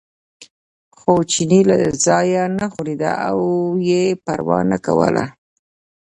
خو چیني له ځایه نه ښورېده او یې پروا نه کوله.